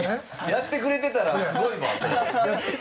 やってくれてたらすごいわ、それ。